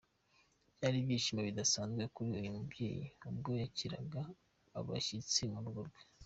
Byari ibyishimo bidasanzwe kuri uyu mubyeyi ubwo yakiraga abashyitsi murugo rwe.